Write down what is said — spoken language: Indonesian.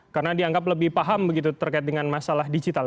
karena dianggap lebih paham begitu terkait dengan masalah digital